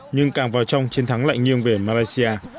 nhưng càng vào trong chiến thắng lạnh nghiêng về malaysia